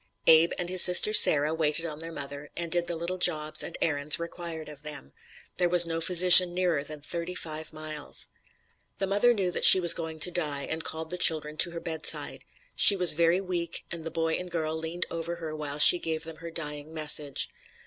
Abe and his sister Sarah waited on their mother, and did the little jobs and errands required of them. There was no physician nearer than thirty five miles. "The mother knew that she was going to die, and called the children to her bedside. She was very weak and the boy and girl leaned over her while she gave them her dying message.